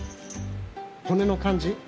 骨の感じ。